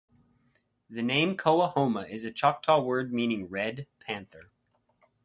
The name "Coahoma" is a Choctaw word meaning "red panther.